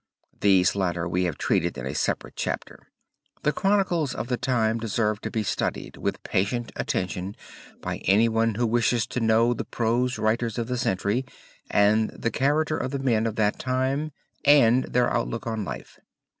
These latter we have treated in a separate chapter. The chronicles of the time deserve to be studied with patient attention by anyone who wishes to know the prose writers of the century and the character of the men of that time and their outlook on life.